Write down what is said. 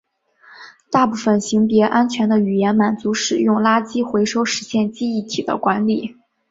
大部分型别安全的语言满足使用垃圾回收实现记忆体的管理。